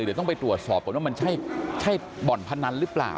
เดี๋ยวต้องไปตรวจสอบก่อนว่ามันใช่บ่อนพนันหรือเปล่า